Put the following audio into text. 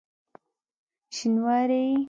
شینواری یې؟!